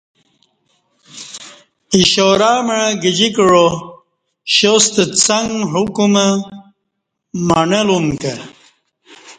اِشارہ مع گجی کعہ شاستہ څݩگ حکم مݨہلُوم کہ۔